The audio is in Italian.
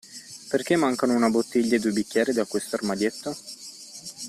Perché mancano una bottiglia e due bicchieri da questo armadietto?